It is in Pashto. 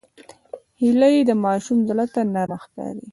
هیلۍ د ماشوم زړه ته نرمه ښکاري